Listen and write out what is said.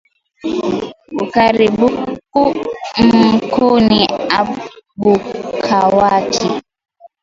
Bukari bwa ku nkuni abukawaki